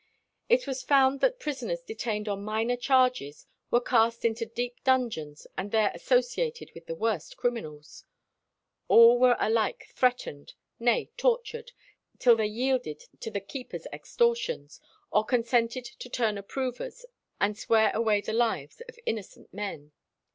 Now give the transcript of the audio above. It was found that prisoners detained on minor charges were cast into deep dungeons, and there associated with the worst criminals. All were alike threatened, nay tortured, till they yielded to the keepers' extortions, or consented to turn approvers and swear away the lives of innocent men.